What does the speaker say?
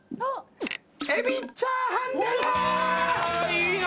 いいな！